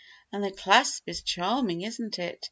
And the clasp is charming, isn't it?